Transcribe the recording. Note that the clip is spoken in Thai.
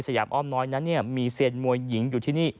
ยามอ้อมน้อยนั้นมีเซียนมวยหญิงอยู่ที่นี่